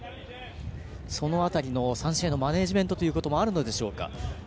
その辺りの３試合のマネージメントもあるでしょうか。